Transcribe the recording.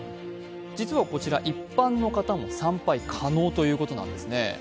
実はこちら一般の方も参拝可能ということなんですね。